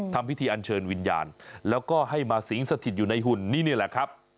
ทำพิธีอันเชิญวิญญาณแล้วก็ให้มาสิงสถิตอยู่ในหุ่นนี่นี่แหละครับ